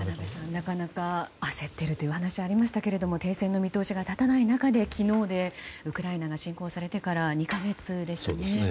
焦っているというお話がありましたけども停戦の見通しが立たない中ウクライナが侵攻されてから２か月がたちましたね。